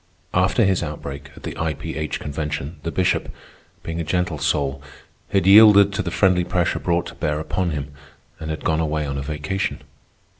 After his outbreak at the I. P. H. Convention, the Bishop, being a gentle soul, had yielded to the friendly pressure brought to bear upon him, and had gone away on a vacation.